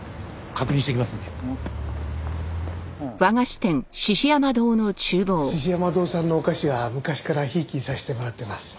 獅子山堂さんのお菓子は昔からひいきにさせてもらってます。